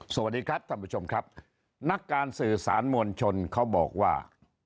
สวัสดีครับท่านผู้ชมครับนักการสื่อสารมวลชนเขาบอกว่า